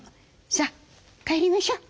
さあ帰りましょう。